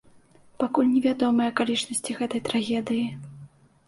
Пакуль невядомыя акалічнасці гэтай трагедыі.